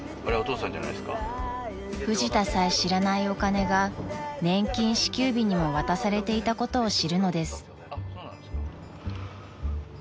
［フジタさえ知らないお金が年金支給日にも渡されていたことを知るのです］